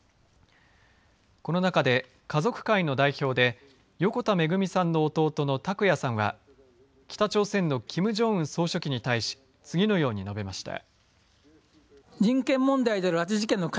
この中で家族会の代表で横田めぐみさんの弟の拓也さんは北朝鮮のキム・ジョンウン総書記に対し次のように述べました。